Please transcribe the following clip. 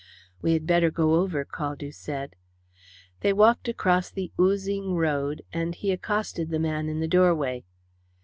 "We had better go over," Caldew said. They walked across the oozing road, and he accosted the man in the doorway.